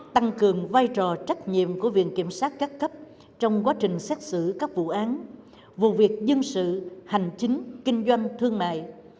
trách nhiệm của viện kiểm sát các cấp trong quá trình xét xử các vụ án vụ việc dân sự hành chính kinh doanh thương mại